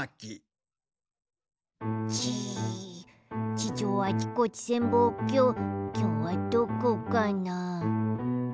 地上あちこち潜望鏡きょうはどこかな？